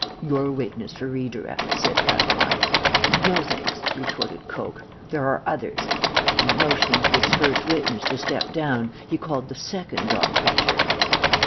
"'Your witness for re direct,' said Catiline. "'No thanks,' retorted Coke; 'there are others,' and, motioning to his first witness to step down, he called the second dog catcher.